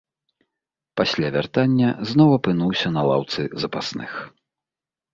Пасля вяртання зноў апынуўся на лаўцы запасных.